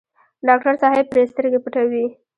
ډاکټر صاحب پرې سترګې پټوي.